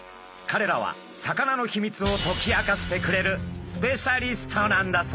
かれらはサカナのヒミツを解き明かしてくれるスペシャリストなんだそう。